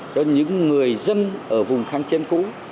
cho những người dân ở vùng kháng chiến cũ